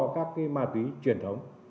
các cái ma túy truyền thống